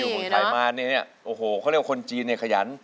แล้วก็มาอยู่เมืองไทยมาเนี่ยโอ้โหเขาเรียกว่าคนจีนเนี่ยขยัน